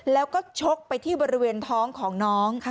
แล้วก็ชกไปที่บริเวณท้องของน้องค่ะ